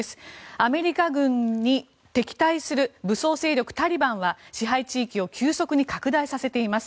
アメリカ軍に敵対する武装勢力タリバンは支配地域を急速に拡大させています。